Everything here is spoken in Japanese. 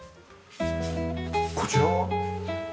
こちらは？